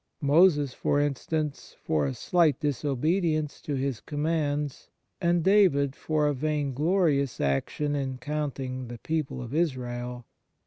Moses, for instance, for a slight disobedience to His commands, and David for a vainglorious action in counting the people of Israel.